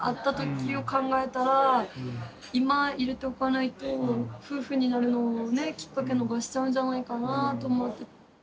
今入れておかないと夫婦になるのをねっきっかけ逃しちゃうんじゃないかなと思って。